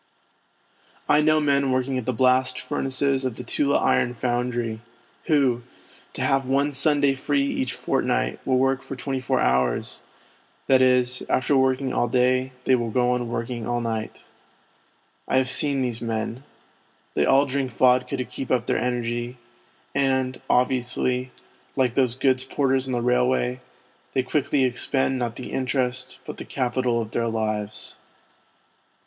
I know men working at the blast furnaces of the Tula Iron Foundry, who, to have one Sunday free each fortnight, will work for twenty four hours ; that is, after working all day, they will go on working all night. I have seen these men. They all drink vddka to keep up their energy ; and, obviously, like those goods porters on 32 THE SLAVERY OF OUR TIMES the railway, they quickly expend not the interest, but the capital of their lives.